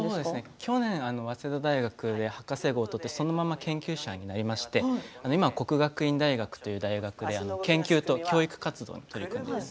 去年、早稲田大学で博士号を取ってそのまま研究者になりまして、今は國學院大学という大学で研究と教育活動に携わっています。